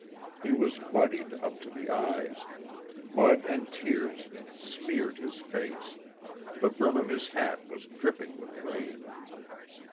He was muddied up to the eyes, mud and tears smeared his face, the brim of his hat was dripping with rain.